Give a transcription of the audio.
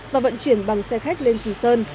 và vận chuyển bằng xe khách lên kỳ sơn